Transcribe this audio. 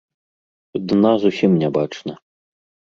Дна зусім не бачна.